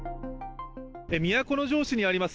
都城市にあります